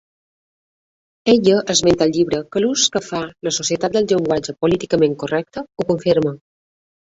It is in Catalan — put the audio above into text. Ella esmenta al llibre, que l'ús que fa la societat del llenguatge políticament correcte ho confirma.